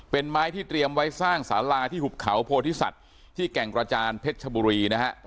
เป็นไม้ที่เตรียมไว้สร้างสาราที่หุบเขาโพธิสัตว์ที่แก่งกระจานเพชรชบุรีนะฮะ